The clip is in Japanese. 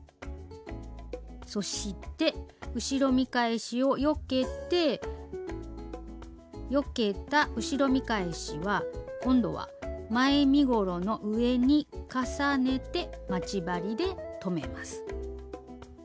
そして後ろ見返しをよけてよけた後ろ見返しは今度は前身ごろの上に重ねて待ち針で留めます。